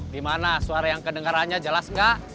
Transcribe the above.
di mana suara yang kedengarannya jelas gak